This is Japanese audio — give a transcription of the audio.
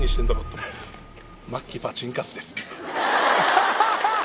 ハハハハ！